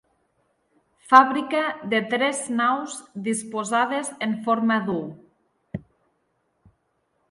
Fàbrica de tres naus disposades en forma d'u.